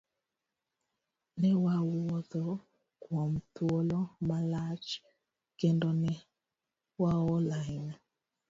Newawuotho kuom thuolo malach kendo ne waol ahinya.